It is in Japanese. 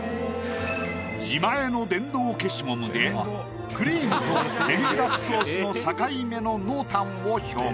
自前の電動消しゴムでクリームとデミグラスソースの境目の濃淡を表現。